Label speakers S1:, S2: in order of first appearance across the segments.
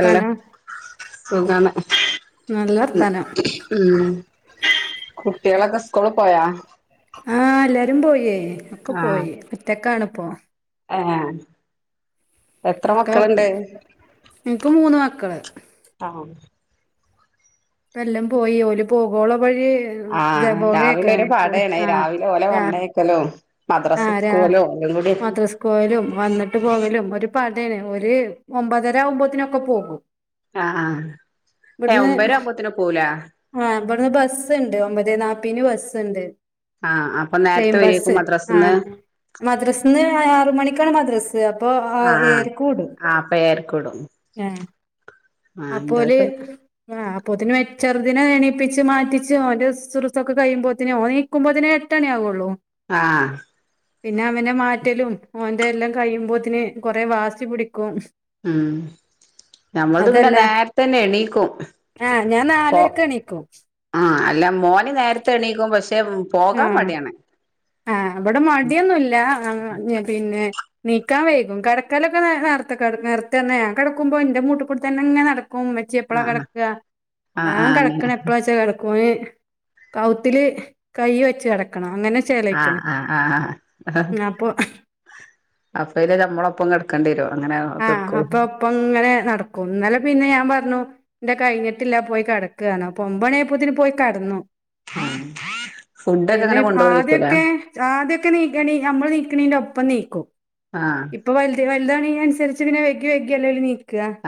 S1: അല്ല സുഖാണ്
S2: നല്ല വർത്താനം
S1: ഉം കുട്ടിളൊക്കെ സ്കൂള് പോയാ
S2: ആ എല്ലാരും പോയേ ഒക്കെ പോയി ഒറ്റക്കാണ്പ്പോ
S1: ഏ
S2: അക്ക ഇൻക്ക് മൂന്ന് മക്കള്
S1: ആഹ്
S2: പ്പഎല്ലാം പോയി ഓല പോകോള വഴി
S1: ആ രാവിലെ
S2: ജബോഗയൊക്കെ
S1: ഒരു
S2: പോയി
S1: പടേണ് രാവിലെ ഓലെ പറഞയ്ക്കലും
S2: ആരാ മദ്രസ്‌ കോവലും വന്നിട്ട് പോകലും ഒരു പടേണ് ഒരു ഒമ്പതരവുമ്പത്തിനൊക്കെ പോകും
S1: ആ ആ ഏ ഒമ്പതരോ ആമ്പത്തിനോ പോവല്ലേ
S2: ആഹ ഇവിടുന്ന് ബസ്സ് ഉണ്ട് ഒമ്പത് നാപ്പിന് ബസ്സണ്ട്
S1: ആഹ അപ്പൊ നേരത്തെ വരേക്കും മദ്രാസിൽന്ന്.
S2: മദ്രാസിന്ന് ആറ് മണിക്കാണ് മദ്രാസ് അപ്പൊ ഏഴരകൂവിടും
S1: പേ ഏയരക്ക് വിടും
S2: ഹ
S1: ആഹ്
S2: അപ്പോല്
S1: ഇന്റെതൊക്കെ
S2: ആ് അപ്പൊത്തിന് മെ ചെറുതിനിനെ എണീപ്പിച്ച് മാറ്റിച്ചോന്റെറെ സുറുസൊക്കെ കഴിയുമ്പോത്തിനോ നീ കുമ്പതിനന് എട്ടണി ആാവുള്ളൂ [unintelligible]
S1: ആഹ്
S2: പിന്നവനെ മാറ്റലും ഓന്റെ എല്ലം കയ്യുമ്പോത്തിന് കൊറേ വാസി പിടിക്കും
S1: മ് ഞമ്മൾത് പിന്നെ
S2: അതല്ല
S1: നേരത്തന്നെ എണീക്കും
S2: ആഹ് ഞാൻ
S1: ഒ
S2: നാലരക്ക് എണീക്കും
S1: ആഹ് അല്ല മോന് നേരത്തെണീക്കും പക്ഷെ പോകാൻ
S2: ആഹ്
S1: മടിയാണ്
S2: ആഹ് വടെ മടിയൊന്നുല്ല പിന്നെ ണീക്കാൻ വൈകും കെടക്കാലൊക്കെ നേ നേർത്തെ കെട നേർത്തെന്നെ ഞാൻ കെടക്കുമ്പോ ന്റെ മൂട്ട് കൂടെ തെന്നെ ഇങ്ങനെ നടക്കും. ച്ചി എപ്പളാ
S1: ആഹ്
S2: കെടക്ക
S1: ആഹ്
S2: ഞാൻ
S1: ആഹ് അങ്ങനെ
S2: കെടക്ക്ണെ എപ്പളാച്ച കെടക്കും ഓൻ കൗത്തില്. കയ്യ് വെച്ച് കെടക്കണം ന്നെ
S1: ആഹ് ആഹ് ആഹ്
S2: അപ്പൊ
S1: അപ്പയ്ല് ഞമ്മളൊപ്പം കെടക്കണ്ടിയെരു അങ്ങനെ കെടക്കൊ
S2: പ്പൊങ്ങനെ നടക്കും ന്നലെ പിന്നെ ഞാൻ പറഞ്ഞു ന്റെ കയ്ഞ്ഞിട്ടില്ല പോയി കെടക്ക് പറഞ്ഞു അപ്പൊ ഒമ്പണി ആയപ്പോത്തിന് പോയി കെടന്ന്.
S1: ഫുഡൊക്കെ
S2: പിന്നെ
S1: അങ്ങനെ കൊണ്ടുപോയിരിക്കൂലേ
S2: ആദ്യക്കെ. ആദ്യക്കെ നീക്കണീ ഞമ്മള് ണീക്ക്ണീന്റപ്പം ണീക്കും.
S1: ആഹ്
S2: ഇപ്പൊ വൽത് വൽതാണീന് ന്സരിച്ച് ങ്ങനെ വൈകി വൈകിയല്ലെ ണീ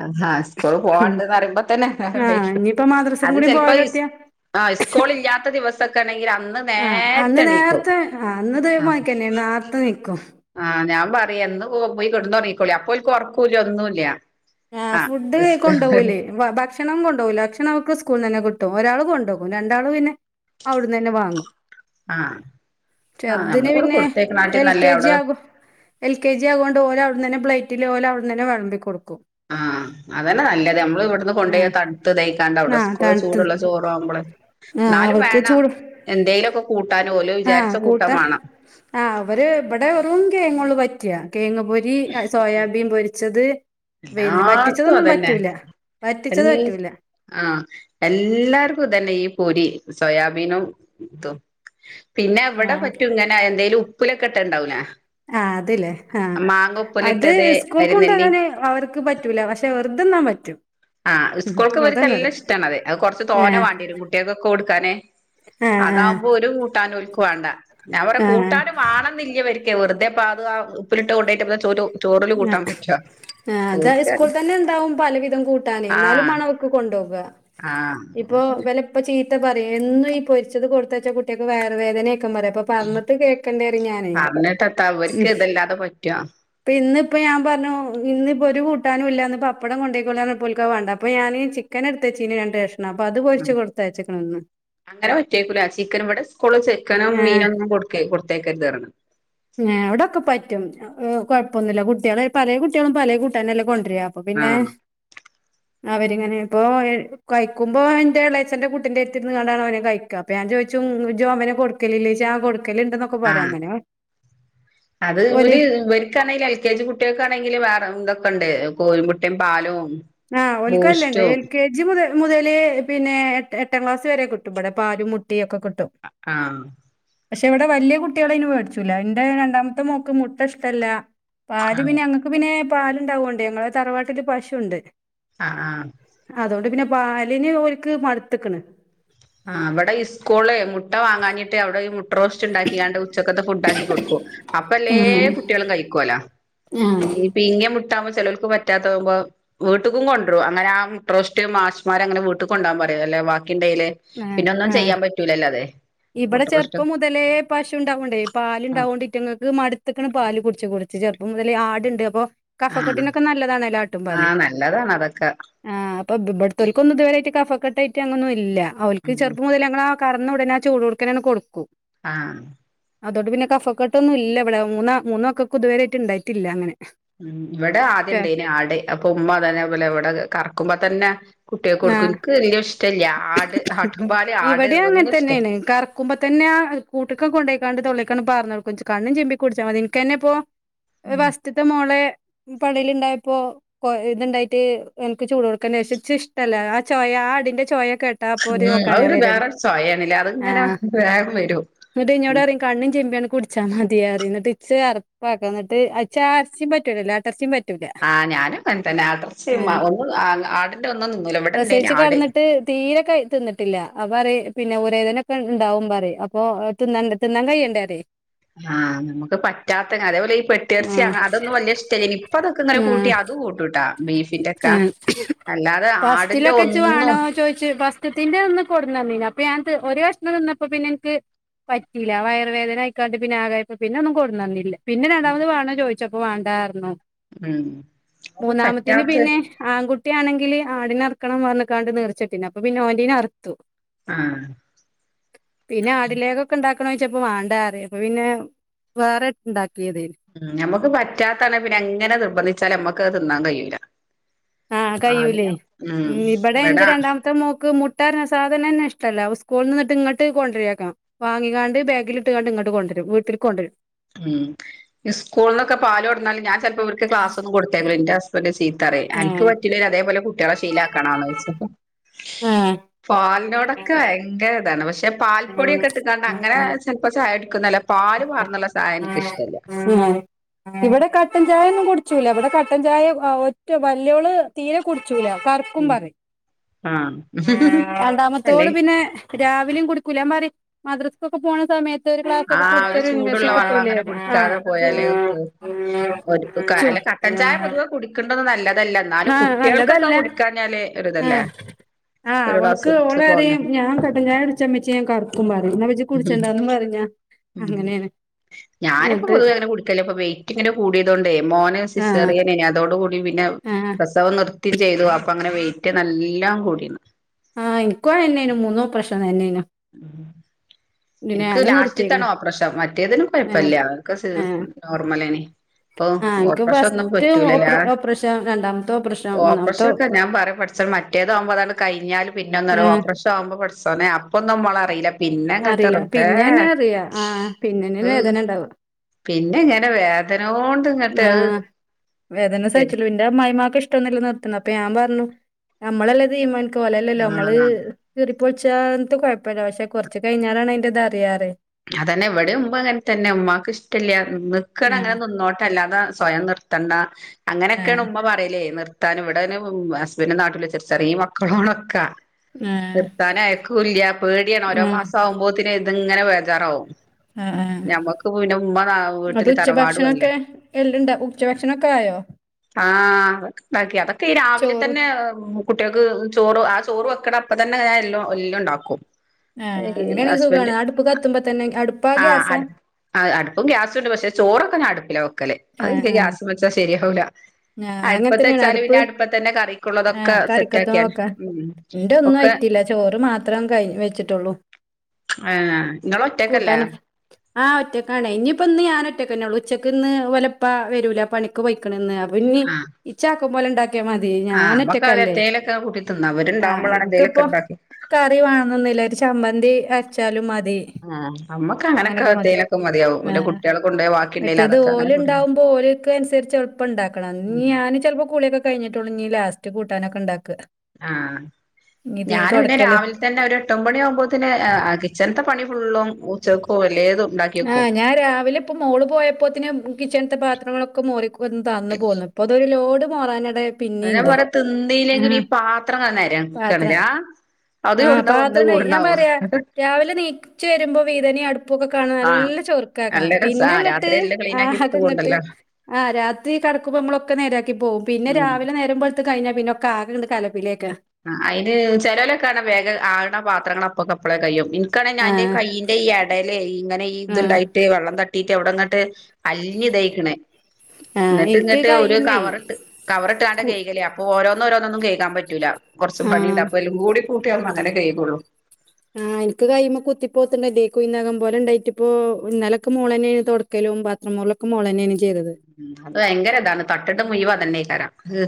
S1: ആഹ് ഹ സ്കൂള് പോവാണ്ട്ന്ന് അറീമ്പോ തന്നെ നേരം
S2: ആഹ്
S1: വെയ്കും
S2: ഇനിയിപ്പ മദ്രസും
S1: അത്
S2: കൂടി
S1: ചെൽപ്പൊ ഇസ്
S2: പോയാലോട്ടിയ
S1: ആഹ് ഇസ്കൂൾ ഇല്ലാത്ത ദിവസക്കെ ണ്ടെങ്കിൽ അന്ന്
S2: ആഹ് അന്ന്
S1: നേരത്തെ എണീക്കും
S2: നാരത്തെ അന്ന്
S1: ആഹ്
S2: ദേമാരിക്കന്നെണ് നാരത്തെ ണീക്കും
S1: ആഹ് ഞാൻ പറയാ ന്ന്പോ പോയ് കെട്ന്നൊറങ്ങിക്കോളി അഅപ്പോൽക്ക് ഒറക്കൂല ഒന്നുല്ല
S2: ആഹ് ഫുഡ് കൊണ്ടാവൂല്ലേ വാഷ് ക്ഷണം കൊണ്ടോവൂല ഭക്ഷണം ഓക്ക് സ്ക്കൂള്ന്നെ കിട്ടും ഒരാൾ കൊണ്ടോകും രണ്ടാൾ പിന്നെ ഔട്ന്നെന്നെ വാങ്ങും
S1: ആഹ് ആഹ്
S2: ചെർതിന്
S1: നമ്മള് ഇവിടെ
S2: പിന്നെ
S1: കൊടുത്തേക്കണാട്ടി
S2: എൽ
S1: നല്ലേ
S2: കെ ജി
S1: അവിടെ
S2: ആകും. എൽ കെ ജി അത്കൊണ്ട് ഓലവ്ട്ന്നെന്നെ പ്ലെറ്റിൽ ഓലവ്ട്ന്നെന്നെ വെൾമ്പി കൊടുകും
S1: ആഹ് അതന്നെ നല്ലത് അമ്മള് ഇവിട്ന്ന് കൊണ്ടായ
S2: ആഹ്
S1: തൺത്ത് തായ്ക്കാണ്ട് അവ്ടെ
S2: ആഹ്
S1: സ്കൂള്
S2: തണുത്തത്
S1: ചൂട്ള്ള ചോറാവുമ്പള്.
S2: ആഹ്
S1: ന്നാലും
S2: അവർക്ക്
S1: വേണം
S2: ചൂട്
S1: എന്തേയിലൊക്കെ കൂട്ടാന് ഓല്
S2: ആഹ്
S1: വിചാരിച്ച കൂട്ടാൻ
S2: കൂട്ടാ
S1: വാണം.
S2: ആഹ് വര് വടെ വെറും കെങ്ങ്ള്ളൂ പറ്റ കെയങ്ങ് പൊരി സോയാബീൻ പൊരിച്ചത്. പിന്നെ
S1: എല്ലാട്ത്തും
S2: വറ്റിച്ചതൊന്നും
S1: അതന്നെ
S2: പറ്റൂല
S1: എൽ
S2: വറ്റിച്ചത് പറ്റൂല
S1: ആഹ് എല്ലാർക്കും തന്നെ ഈ പൊരി സോയാബീനുംതും. പിന്നെ വടെ
S2: ആഹ്
S1: പറ്റും ങ്ങനെ എന്തേലും ഉപ്പിലക്കെട്ടെണ്ടാവുലെ
S2: ആഹ് അത് ലേ ആഹ് അത്
S1: ഉപ്പിലിട്ടത്
S2: ഇസ്കൂൾ
S1: അരിനെല്ലി
S2: കൊണ്ടാകാന് വർ ക്ക് പറ്റൂല പക്ഷെ വെർദെന്നാൻ പറ്റു
S1: ആഹ് ഇസ്ക്കോൾക്ക് ഇവര്ക്ക് നല്ലെ ഇഷ്ടാണത് അത് കൊറച്ച് തോനെ
S2: ആഹ്
S1: വാൻഡ്യേരും കുട്ടിയാക്കൊക്കെ കൊടുക്കാന്.
S2: ആഹ് ആഹ്
S1: അതാവുമ്പോ ഒരു കൂട്ടാനു ഓൽക്ക് വാണ്ട അവടെ
S2: ആഹ്
S1: കൂട്ടാനും വാണന്നില്ലവര്ക്ക് വെറ്തെപ്പാത് ആ ഉപ്പിലിട്ടെ കൊണ്ടോയിറ്റ്പ്പ ചോ
S2: ആഹ് അത് അ
S1: ഓര്ക്കത്
S2: ഇസ്കൂൾത്തന്നെ ണ്ടാവും. പലവിധം കൂട്ടാനെ ന്നാലും
S1: ആഹ്
S2: മണോഒൽക് കൊണ്ടോവ.
S1: ആഹ്
S2: ഇപ്പൊ ഇവലെ ഇപ്പ ചീത്ത പറയും എന്നും ഈ പൊരിച്ചത് കൊട്ത്തയച്ചാ കുട്ട്യാക്ക് വയറ് വേദനെയ്ക്കും പറയും അപ്പൊ പറഞ്ഞ്ട്ട് കേക്കണ്ടെറയും ഞാന്.
S1: പറഞ്ഞിട്ടെത്താ ഇവര്ക്ക് ഇതല്ലാതെ പറ്റോ
S2: ഇന്നിപ്പൊ ഞാൻ പറഞ്ഞു ഇന്നിപ്പൊ ഒരു കൂട്ടാനും ഇല്ല ന്ന് പപ്പടം കൊണ്ടയ്ക്കോളിറഞ്ഞപ്പോ ഓൽക്കത് വാണ്ട അപ്പൊ ഞാൻ ചിക് ചിക്കനെട്ത്തച്ചീനു രണ്ട് കഷ്ണം അപ്പൊ അത്
S1: ഉം
S2: പൊരിച്ച് കൊടുത്തയച്ച്ക്ക്ണ് ഇന്ന്
S1: അങ്ങനെ പറ്റെയ്ക്കും ലെ ചിക്കനും ഇവടെ സ്കൂള് ചിക്കനും
S2: ഏഹ്
S1: മീനൊന്നും കൊടുക് കൊട്ത്തയ്ക്കര്ന്ന് പറഞ്ഞ്ണ്
S2: ഏഹ് ഇവടൊക്കെ പറ്റും കൊഴപ്പൊന്നുല്ല കുട്ട്യാൾ പലേ കുട്ട്യാളും പലേ കൂട്ടാനല്ലെ കൊണ്ടര അപ്പൊ പിന്നേ
S1: [inaudible]
S2: അവര്ങ്ങനെ ഇപ്പൊ കയ്ക്കുമ്പോ ന്റെ എളേച്ഛന്റെ കുട്ടിന്റെട്ത്തിര്ന്ന്ങ്ങാണ്ടാണ് ഓന് കയ്ക്ക അപ്പൊ ഞാൻ ചോയ്ച്ചു ഇജ്ജവന് കൊട് കലില്ലേച കൊടുക്കലുണ്ട്ന്നൊക്കെ പറിം
S1: ആഹ്
S2: അങ്ങനെ
S1: അത്
S2: ഓല്
S1: ഓര് ഇവര്ക്കാണെങ്കി എൽ കെ ജി കുട്ട് കുട്ട്യാക്കാണെങ്കി വേറെ ഇതൊക്കെണ്ട് കോഴിമുട്ടീം പാലും
S2: ആഹ് ഒൽക്കല്ലണ്ട്
S1: ബൂസ്റ്റും
S2: എൽകെജി ജി മുതല് പിന്നെ എ എട്ടാം ക്ലാസ് വരെ കിട്ടും ഇബടെ പാലും മുട്ടിം ഒക്കെ കിട്ടും
S1: ആഹ്
S2: പക്ഷെ ഇവടെ വല്യ കുട്ട്യാളയ്ന് വേടിച്ചൂല ഇന്റെ രണ്ടാമത്തെ മോക്ക് മുട്ട ഇഷ്ടല്ല പാല്
S1: ആഹ്
S2: പിന്നെ ഞങ്ങൾക്ക് പിന്നെ പാലുണ്ടാവോണ്ട് ഞങ്ങളെ തറവാട്ടിൽ പശുണ്ട്
S1: ആഹ് ആഹ്
S2: അതോണ്ട് പിന്നെ പാലിന് ഓര്ക്ക് മടുത്ത്ക്കണ്
S1: ആഹ് ഇവിടെ സ്കൂള് മുട്ട വാങ്ങാഞ്ഞിനിട്ട് അവിടെ ഒര് ട്ട റോസ്റ്റ് ഉണ്ടാക്കിയാണ്ട് ഉച്ചക്കത്തെ ഫുഡാക്കി കൊടുക്കും അപ്പ എല്ലേ
S2: ആഹ്
S1: കുട്ട്യാളും കഴിക്കോലൊ
S2: ആഹ്
S1: പിങ്ങിയ മുട്ടാമ്പൊ ചെലോല്ക്ക് പറ്റാത്ത ആവുമ്പോ വീട്ട്ക്കും കൊണ്ടരും അങ്ങനെ ആ മുട്ട റോസ്റ്റ് മാഷ്മാര് അങ്ങനെ വീട്ട്ക്ക് കൊണ്ടാകാൻ പറയും അല്ലേ ബാക്കിണ്ടേല്
S2: ആഹ്
S1: പിന്നെ ഒന്നും
S2: ആഹ്
S1: ചെയ്യാൻ പറ്റൂലല്ലോ അത്‌
S2: ഇവിടെ ചെറുപ്പം മുതലേ പശു ഉണ്ടാവോണ്ടേ
S1: ആ
S2: പാലുണ്ടാവോണ്ട് ഇറ്റിങ്ങൾക്ക് മട് ത്ത്ക്ക്ണ് പാല് കുട്ച്ച് കുട്ച്ച് ചെറുപ്പം മുതലേ ആടുണ്ട് അപ്പൊ
S1: ആ
S2: കഫക്കെട്ടിനൊക്കെ നല്ലതാണല്ലോ ആട്ടുംപാല്
S1: അതൊക്ക
S2: ആഹ് ബ ഇബ്ടതോൽക്കൊക്കന്നുംഇതുവരായിട്ട് കഫക്കെട്ട് ട്ട് അങ്ങന്നും ഇല്ല ഓൽക്ക്
S1: ഉം
S2: ചെറുപ്പം മുതൽ അങ്ങനെ ആ കറന്നുടനെ ആ ചൂടോട്ക്കനെ കൊടുക്കും
S1: ആഹ്
S2: അതോണ്ട് പിന്നെ കഫക്കെട്ടൊന്നും ഇല്ല ഇവിടെ മൂന്ന മൂന്ന് മക്കക്കും ഇത്വരെ ഇണ്ടായിട്ടില്ല അങ്ങനെ
S1: ഉം ഇവിടെ ആദ്യം ഇണ്ടേന്ന് ആട് അപ്പൊ ഉമ്മ അതെനെ പോലെ ഇവിടെ കറക്കുമ്പോ തന്നെ കുട്ട്യാക് കൊടുക്കും
S2: ആഹ്
S1: ഇൻക്ക് വെല്ല്യ ഇഷ്ടല്ല ആട് ആട്ടുംപാല് ആട് ഒന്നുഷ്ടല്ല
S2: ക്കുമ്പതന്നെ ആ കൂട്ട്ക്ക് കൊണ്ടയ്ക്കാണ്ട് തൊള്ളിക്കണ്ട് പാർന്നൊട്ക്കും കണ്ണും ചിമ്പി കുടിച്ചാ മതി ഇന്ക്ക്ന്നെപ്പൊ
S1: ഉം
S2: ഫസ്റ്റ്ത്തെമോളെ പള്ളീല് ഇണ്ടായപ്പോ കൊ ഇത്ണ്ടായിട്ട് എനിക്ക് ചൂടോടുക്കെനെ ഇച്ച് ഇഷ്ടല്ല ആ ചൊയ ആ ആടിന്റെ ചൊയ കെ ട്ടാ അപ്പൊ
S1: ഉം
S2: ഒര് ഓക്കാന
S1: അതൊരു
S2: വരല്
S1: വേറെ സ്വയാണ്ല്ലേ
S2: ആ
S1: അതിങ്ങനെ വേഗം വരും
S2: ഇന്നിട്ട് ഇന്നോട് പറയിം കണ്ണും ചിമ്പി കുടിച്ചാ മതി പറിം ഇന്നിട്ട് ഇച്ച് അറപ്പാക്കരം ഇന്നിട്ട് ഇച് ആ എറച്ചിം പറ്റൂലല്ലോ ആട്ടറച്ചീം പറ്റൂലല്ലേ
S1: ആഹ് ഞാനും അങ്ങനതന്നെ ആട്ടറച്ചി
S2: ഏഹ്
S1: ഒന്നും ആടിന്റെ ഒന്നും തിന്നൂല ഇവിടെ ഇണ്ടേന്നു
S2: പ്രസവിച്ച്
S1: ആട്
S2: കെടന്നിട്ട് തീരെ തിന്നിട്ടില്ല അപ്പറീം പിന്നെ ഉരവേദനൊക്കെ ഇണ്ടാവും പറീം അപ്പൊ തിന്നണ്ട തിന്നാൻ കയ്യണ്ടേറീം
S1: ആഹ് നമുക്ക് പറ്റാത്ത അതേപോലെ ഈ പെട്ടി എർചി
S2: ആഹ്
S1: അതൊന്നും വല്ല്യ ഇഷ്ടല്ലേന്ന് ഇപ്പൊതൊക്കെങ്ങന്നെ കൂട്ടി
S2: ആഹ്
S1: അത്കൂട്ടുംട്ടാ
S2: ആഹ്
S1: ആടിന്റെ
S2: ഫസ്റ്റിലൊക്കെച്ച്
S1: ഒന്നും
S2: വേണോ ചോയിച്ച് ത്തിന്റെ അന്ന് കൊട്ന്നന്നീന് അപ്പൊ ഞാൻ ഒരു കഷ്ണം തിന്നപ്പോ പിന്നെ ഇന്ക്ക് പറ്റില്ല വയ്റ വേദന ആയിക്കാണ്ട് പിന്നെ ആകായപ്പ പിന്നെ ഒന്നും കൊടുന്നന്നില്ല പിന്നെ രണ്ടാമത് വാണോ ചോയിച്ചപ്പോ വാണ്ടാർന്നു
S1: ഉം അത്
S2: പിന്നെ
S1: പറ്റാത്തത്
S2: ആൺകുട്ടിയാണെങ്കില് ആടിനെ അർക്കണം പറന്ന്കാണ്ട് നേർച്ചട്ടീനു അപ്പൊ പിന്നെ ഓന്റീന് അറത്തു
S1: ആഹ്
S2: പിന്നെ ആടിലേകം ഉണ്ടാക്കണ ചോച്ചപ്പോ വാണ്ടറിയേ അപ്പ പിന്നെ വേറെണ്ടാക്കിയത്
S1: ഉം നമുക്ക് പറ്റാത്തണ പിന്നെ എങ്ങനെ നിർബന്ധിച്ചാലൽ നമ്മക്ക്ത് തിന്നാൻ കഴിയുല്ല
S2: ആഹ് കഴിയൂലേ
S1: ഉം
S2: ഇപടെ ന്റെ
S1: ഇവടെ
S2: രണ്ടാമത്തെ മോക്ക് മു ട്ടാന്നസാധനന്നെ ഇഷ്ടല്ല സ്കൂള് ന്ന് ഇങ്ങട്ട് കൊണ്ടരേക്കാം വാങ്ങിക്കാണ്ട് ബാഗിലിട്ട്കാണ്ട് ഇങ്ങോട്ട് കൊണ്ടരും വീട്ട്കൊണ്ടുരും
S1: ഉം സ്കൂളന്നൊക്കെ പാലോടന്നാൽ ഞാൻ ചെല അവർക്ക് ക്ലാസൊന്നും കൊടു ത്തയക്കുല ന്റെ ഹസ്ബൻറ് ചീത്തറീം ആന്ക്ക്
S2: ആഹ്
S1: പറ്റീലങ്കിലും അതേപോലെ കുട്ട്യളെ ശീലക്കണോചോയ്ച്ച്
S2: ആഹ്
S1: പാലിനോടൊക്കെ ഭയങ്കരതാണ് പക്ഷെ പാൽപ്പൊടിയൊക്കെ ഇട്ട്ക്കാണ്ട് അങ്ങനെ ചെൽപ്പോ ചായുട്ക്കുന്നല്ല പാല് പാർന്ന്ള്ള ചായൻക്കിഷ്ട്ടല്ല്യ
S2: [inaudible] ഇവിടെ കട്ടൻ ചായൊന്നും കുട്ച്ചൂല ഇവിടെ കട്ടൻ ചായ ഒറ്റ വല്യോള് തീരെ കുടിച്ചൂല കാരണം
S1: ഉം
S2: ക്കുംമ്പറി
S1: ആഹ് അല്ലെ
S2: രണ്ടാമത്തോള് പിന്നെ രാവിലും കുടുക്കൂലമ്പറിം മദ്രസ്ക്കൊക്കെ പോണ സമയത്ത് ഒരു ക്ലാസൊക്കെ
S1: ആഹ് ഒരു ചൂടുള്ള വള്ളംങ്ങനെ കുടിക്കാതെ
S2: ചു
S1: പോയാലെ
S2: ചു
S1: അല്ല
S2: ആ
S1: കട്ടൻചായ പൊതുവെ കുടിക്കേണ്ടത് നല്ലതല്ല ന്നാലും കുട്ടേൾക്കൊക്കെ കുടിക്കാഞ്ഞാല് ഒരിതല്ലേ
S2: ആഹ് ആഹ്
S1: ഒരു ഗ്ലാസ്
S2: അവൾക്ക്
S1: കുടിച്ച് പോകാൻ
S2: അവ്ളറിം ഞാൻ കട്ടഞ്ചായൊട്ച്ച മ്മച്ചേഞാ കറക്കും പറിം എന്നാപജ് കുടിച്ചണ്ടാന്ന് പറിഞ്ഞ
S1: ഉം ഞാനിപ്പോ പൊതുവേങ്ങ കുട്ക്കലൊക്കെ വെയ്റ്റ്ങ്ങനെ കൂടിയതോണ്ടേ മോന്
S2: ആ
S1: സിസേറിയനേനി അതോടുകൂടി പിന്നെ
S2: ആ
S1: പ്രസവം നിർത്തിം ചെയ്തു അപ്പൊങ്ങനെ വെയിറ്റ് നല്ല കൂടിണ്
S2: ആഹ് ഇൻക്കും അന്നെനും മൂന്നും ഓപ്രശതന്നേനു
S1: [inaudible] ഇൻക്ക് ലാസ്റ്റത്താണ്
S2: നിർത്തിയേക്കണ്
S1: ഓപ്പ്രഷം മറ്റേതിനും
S2: ആ
S1: കൊഴപ്പല്ല്യ ക്കെ സ്
S2: ആ
S1: നോർമലേനി ഓ
S2: ആ എനിക്ക്
S1: ഓപ്രഷൊന്നും
S2: ഫസ്റ്റ്
S1: പറ്റൂലെലാ
S2: ഓപ്പ ഓപ്പറേഷൻ രണ്ടാമത്തെ ഓപ്പറേഷൻ മൂന്നാമത്തെ
S1: ഓപ്രഷൊക്കെ ഞാൻ പറ പട് സ മറ്റേതാകുമ്പോ അതാണ്ട് കഴിഞ്ഞാല്
S2: ആ
S1: പിന്നെന്നൊരൊപ്പറേഷ നാവുമ്പോ പട്‌ച്ചോനെ അപ്പൊന്നുംമ്മളറിയില്ല പിന്നെങ്ങ
S2: പിന്നെന്നെറിയാ ആഹ് പിന്നെന്ന വേദനണ്ടാവ
S1: പിന്നെങ്ങനെ വേദനോണ്ട് ഇങ്ങട്ട് അഹ്
S2: ആഹ് വേദന
S1: കെട്
S2: സഹിച്ചിട്ട് പിന്നെ ഇന്റെമ്മായിമാക്ക് ഇഷ്ടൊന്നു ല്ല നിർത്തണത് അപ്പ ഞാപർഞ്ഞു നമ്മളല്ല തീര്മാൻക്കോലല്ലോ മ്മള്
S1: ആഹ്
S2: കീറിപൊൾച്ച ങ്ങൻത്ത് കുഴപ്പല്ല പക്ഷെ കൊർച്ച് കഴിഞ്ഞാലാണ് അയ്ന്റെതറിയാറെ
S1: അതന്നെ ഇവിടെമ്മങ്ങൻതന്നെ ഇമ്മാക്ക് ഇഷ്ടല്ല്യ നിക്കണങ്ങനെ
S2: ആഹ്
S1: നിന്നോട്ടല്ലാതെ സ്വയം നിർ ത്തണ്ട അങ്ങനൊക്കെണ്
S2: ആഹ്
S1: ഉമ്മ പറയലേ നിർ ത്താൻ ഇവിടന് ഹസ്ബൻഡ് നാട്ടില് ചെർ ചെറിയ മക്കളോണൊക്കാ
S2: ആഹ്
S1: നിർത്താനയക്കൂല്ല്യ പേടിയാണ് ഓരോ
S2: ആഹ്
S1: മാസാകുമ്പോത്തിത്ങ്ങനെ ബേജാറകും
S2: ആഹ്
S1: ഞമ്മക്ക് പിന്നെ ഉമ്മ
S2: ഇന്നട്ട്
S1: വീട്ടില് തറവാടു വല്ല
S2: ഉച്ചഭക്ഷണൊക്കെ എല്ലുണ്ട ഉച്ചഭക്ഷണൊക്കെ ആയോ?
S1: ആഹ് അതൊക്കെണ്ടാക്കി അതൊക്കെയീ രാവിലെ
S2: ചോറ്
S1: തന്നെ ഉ കുട്ട്യൾക്ക് ചോറ് ആഹ് ചോറ് വെക്കണപ്പതന്നെ ഞൻ എല്ലും എല്ലു ണ്ടാക്കും
S2: ആഹ് അങ്ങനെയണെങ്കി സുഖാണ് അടുപ്പ് കത്തുമ്പോ തന്നെ അഹ് അടു
S1: ആഹ് അട് അടുപ്പും ഗ്യാസുണ്ട് പക്ഷെ ചോറൊക്കെ ഞാ അടുപ്പില വെക്കല്
S2: ആഹ്
S1: അഇൻക്ക്
S2: ആഹ്
S1: ഗ്യാസ്മെ ച്ച ശെര്യാവൂല
S2: ഞാൻ അങ്ങൻ തന്നേണ്.
S1: അട്പ്പത്തച്ചാല്
S2: അടുപ്പ്
S1: പിന്നെ അടുപ്പതന്നെ കറിക്കുള്ളതൊക്കെ സെറ്റ് ആക്യാല് ഉം
S2: ന്റെ ഒന്നും
S1: ഒക്കെ
S2: ആയ്റ്റില്ല ചോറ് മാത്രം കഴ് വെച്ചിട്ടുള്ളൂ
S1: ഏഹ് നിങ്ങള് ഒറ്റക്കല്ലേ
S2: കൂട്ടാനൊക്കെ
S1: [inaudible]
S2: ആഹ് ഒറ്റക്കാണ് ഇഞ്ഞിപ്പന്ന് ഞാനൊ റ്റയ്ക്കന്നൊള്ളൂ ഉച്ചക്ക്ന്ന് ഓലെപ്പവരൂല പണിക്ക് പൊയ്ക്ക്ണ്ന്ന് പിഞ്ഞി
S1: ആഹ്
S2: ഇച്ചാക്കംപോലെണ്ടാക്കി ക്യാ മതി
S1: ആഹ് നമ്മക്ക് അത്
S2: ഞാനൊറ്റക്കല്ലേ
S1: എത്തേലൊക്കെ കൂട്ടി തിന്നാ
S2: ആഹ്
S1: ഇവരുണ്ടാവുമ്പളാണ് എന്തേലൊക്കെ
S2: ഇൻക്കിപ്പൊ
S1: ഇണ്ടാക്കി
S2: കറി വേണന്നൊന്നില്ല ഒരു ചമ്മന്തി അര്ച്ചാലും മതി
S1: ആഹ് ഞമ്മക്ക്
S2: അങ്ങനൊക്കെ മതി
S1: അങ്ങനെക്കെത്തേലൊക്കെ മതിയാവും
S2: ആ
S1: പിന്നെ കുട്ട്യാൾ കൊണ്ടായ
S2: മറ്റേത്
S1: വാക്കിണ്ടെലതൊക്കെ അങ്ങനെ
S2: ഓല്
S1: കൂട്ടി
S2: ഉണ്ടാവുമ്പോ ഓല്ക്ക് അനുസരിച്ച് എൾപ്പണ്ടാക്കണം
S1: ഉം
S2: ഞാന് ചെൽപ്പോ കുളിയൊക്കെ കഴിഞ്ഞിട്ടുള്ളൂഞ്ഞ് ലാസ്റ്റ് കൂട്ടാനൊക്കെണ്ടാക്ക
S1: ആഹ് ഞാന് പിന്നെ രാവിൽതന്നൊരു എട്ട് ഒമ്പെണിയകുമ്പോതിന് ഏഹ് കിച്ചൺത്തെ പണി ഫുള്ളും ഉച്ചെക്കും എല്ലേതും ണ്ടാക്കി
S2: ആ
S1: വെക്കും
S2: ഞാൻ രാവിലെ ഇപ്പ മോള് പോയപ്പോത്തിന് കിച്ചൺത്തെ പാത്രങ്ങളൊക്കെ മോറി തന്നു പോന്നു പ്പൊതുവെ ലോഡ് മോറാനെടെ
S1: അതിനെ പറ്യ തിന്നീല്ലെങ്കിലും ഈ പാത്രങ്ങ
S2: പാത്രം
S1: നെരക്കാണ്‌ലെ അതു
S2: ആ
S1: ഇവിടുന്നാ വന്ന്
S2: പാത്രം ഞാൻ
S1: കൂടുന്നാവ
S2: പറയാ രാവിലെ നീച്ചു വരുമ്പൊ വീതനയ അടു പ്പൊക്കെ കാണ
S1: ആഹ്
S2: നല്ല ചൊറുക്കാക്ക
S1: നല്ല രസാ ആ
S2: പിന്നങ്ങട്ട്
S1: രാത്രി എല്ലാം ക്ലീനാക്കി ഇട്ട്
S2: ആകങ്ങട്ട്
S1: പോണ്ടല്ലോ
S2: ആഹ് രാത്രി കെടക്കുമ്പൊ ഇമ്മളൊക്കെ നേരാക്കി പോകും പിന്നെ
S1: ഉം
S2: രാവിലെ നേരംബെൾ ത്ത് കഴിഞ്ഞ പിന്നൊക്കെ ആകിങ്ങണ്ട് കലപിലേക്ക്
S1: ആഹ് അയിന് ചെലോലൊക്കാണ് വേഗ ആള്ണ പാത്രങ്ങൾ അപ്പൊക്കെപ്പളെ കയ്യും കാണെ
S2: ആ
S1: ന്റെ കയ്യിന്റെ ഈ എടലേ
S2: ആ
S1: ങ്ങനെയീതുണ്ടായിട്ട് വള്ളം തട്ടിട്ട് അവ്ടന്നട്ട് അലിഞ്ഞ് ഇതായ്ക്കണ്
S2: ആ
S1: എന്നിട്ട്
S2: എനിക്ക്
S1: ഇങ്ങിട്ട് ഒരു
S2: കഴിയുമ്മേ
S1: കവറിട്ട് കവറിട്ട്കാണ്ട
S2: കു
S1: കൈകല് ഓരോന്ന് ഓരോന്നൊന്നും കയ്കാൻ പറ്റില്ല കൊറച്ച്
S2: ആ
S1: പണിണ്ട് അപ്പലും കൂടി കൂട്ടി അങ്ങനെ കയ്കൂള്ളൂ
S2: ആഹ് എനിക്ക് കയ്യ്മ്മെ കുത്തിപ്പോത്തുണ്ടല്ലേ കുയ്നകം പോലെ ഇണ്ടായിട്ടിപ്പോ ഇന്നലൊക്കെ മോളെന്നെയാന്ന് തൊട ക്കലും പാത്രംമോളെക്കെ മോളന്നെയാണ് ചെയ്തത്
S1: ഉം അത് ഭയങ്കര ഇതാണ് തട്ടിട്ട് മുയുവന്ന അതന്നെയ്ക്കാരാ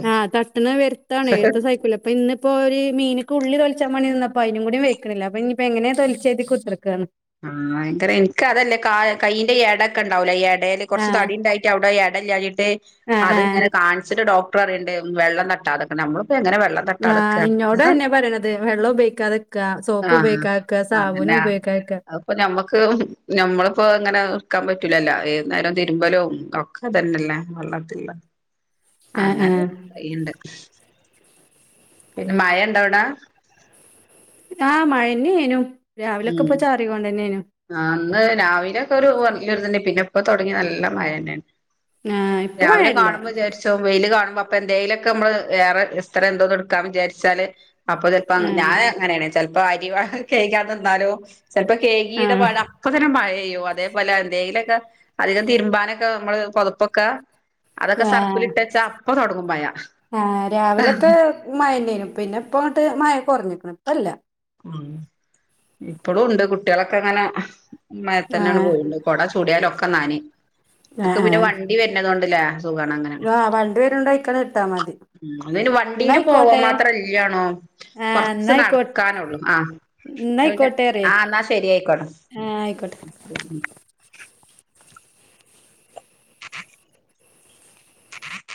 S2: ആഹ് തട്ട്ണ് വരുത്താണ് എത്ത സൈക്കില് അപ്പ ഇന്നിപ്പൊ ഒരി മീന്ക്ക് ഉള്ളി തൊളിച്ചാവേണ്ടിട്ട് നിന്നപ്പ അയിനുംകൂടി വെയ്ക്കണില്ല അപ്പ ഇനിപ്പ എങ്ങനാ തൊലിച്ചഴതി കുത്തിർക്കാന്
S1: ആഹ് എനക്കറിയ എനക്ക് അതല്ലേ കാ കയ്യിന്റെ എടക്കെ ഒണ്ടാവല്ലെ എട എടേൽ കൊറച്ച്
S2: ആഹ്
S1: തടിണ്ടായിട്ട് അവിടെ എടല്ലാഞ്ഞിട്ട്
S2: ആഹ് ആഹ്
S1: അതിങ്ങനെ കാണിച്ചിട്ട് ഡോക്ർ അറിയണ്ടേ വെള്ളം തട്ടാതൊക്കെ നമ്മളിപ്പൊ എങ്ങനെ വെള്ളം
S2: ആഹ്
S1: തട്ടാതെക്കാ
S2: ഇന്നോടന്നെ പറയണത് വെള്ളം ഉപയോക്കാതെക്ക സോപ്പ് ഉപയോക്കാക്ക സാബൂന ഉപയോക്കാക
S1: അപ്പൊ ഞമ്മക്ക് ഞമ്മളിപ്പോ അങ്ങനെ നിക്കാൻ പറ്റൂലല്ലോ ഏകുന്നേരം തിരുമ്പലും അതന്നല്ലേ വെള്ളത്തിള്ള
S2: ആഹ്
S1: അങ്ങനെ
S2: ആഹ്
S1: ഇണ്ട് പിന്നെ മഴ ഇണ്ടോവിട
S2: ആഹ് മഴെന്നെയേനു രാവിലോക്കെപ്പ
S1: ഉം
S2: ചാറികൊണ്ടേണ്ടേനു
S1: ആഹ് ഇന്ന് രാവിലെ ഒക്കെ ഒരു വരു തന്നെ പിന്നെ ഇപ്പൊ തൊടങ്ങി നല്ല മഴെന്നെയാണ്
S2: ആഹ് ഇപ്പൊ
S1: രാവിലെ
S2: മഴല്ല
S1: കാണുമ്പൊ വിചാരിച്ച് വെയില് കാണുമ്പോ അപ്പൊ എന്തേലൊക്കെ മ്മള് വേറെ എസ്ത്രെ എന്തോന്ന് എടുക്കാം വിചാരിച്ചാല് അപ്പൊ ചെലപ്പ അങ്ങന
S2: ആഹ്
S1: ഞാൻ അങ്ങനേണ് ചെലപ്പൊ അരി വ കയ്ക്കാൻ നിന്നാലോ ചെലപ്പൊ കെയ്കിടെ
S2: ആഹ്
S1: വണ അപ്പതന്നെ മഴേയ്യും അതേപോലെ എന്തെങ്കിലൊക്കെ അധികം തിരുമ്പാനൊക്കെ നമ്മള് പൊതുപ്പൊക്കെ അതൊക്കെ
S2: ആഹ്
S1: സർപ്പിലിട്ടച്ചാ അപ്പൊ തൊടങ്ങും മയാ
S2: ആഹ് രാവിലൊക്കെ മഴന്നേനു പിന്നെ ഇപ്പങ്ങട്ട് മഴ കുറഞ്ഞക്കണു ഇപ്പല്ല
S1: ഉം ഇപ്പളുണ്ട് കുട്ടികളൊക്കെ അങ്ങനെ ഉം മഴേത്തന്നേണ്
S2: ആഹ്
S1: പോവിണ്ട കൊട ചൂടിയാല് ഒക്കെ നനയ് ഇങ്ങക്ക്
S2: ആഹ്
S1: പിന്നെ
S2: ആഹ്
S1: വണ്ടി വരണതോണ്ടിലെ സുഖാണ് അങ്ങനെ
S2: ആഹ് വണ്ടി വരുണ്ടോയ്ക്കണ് ഇട്ടാ മതി
S1: ഇത്ന് വണ്ടീല് പോവാൻ
S2: ന്നായിക്കോട്ടെ
S1: മാത്രം ഇല്ലാണു
S2: ആഹ്
S1: കൊറച്ച് നട
S2: ന്നായിക്കോ
S1: ക്കാനുള്ളൂ ആഹ് പിന്നെ
S2: ന്നായിക്കോട്ടെ പറയ്
S1: ആഹ് എന്ന ശരി ആയികോട്ട
S2: ആഹ് ആയിക്കോട്ടെ